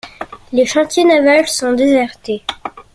Les chantiers navals sont désertés.